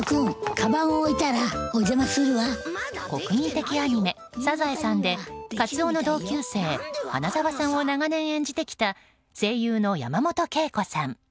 かばんを置いたら国民的アニメ「サザエさん」でカツオの同級生、花沢さんを長年演じてきた声優の山本圭子さん。